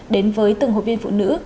đến với từng hội viên phụ nữ